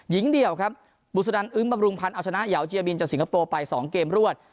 ยิงเดียวครับบุษดันอึ้งประพฟรุงพันธ์เอาชนะยาวเจียบินน์จากสิงคโปร์ไปสองเกมรวด